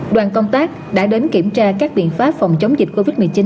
đoàn công tác đã đến kiểm tra các biện pháp phòng chống dịch covid một mươi chín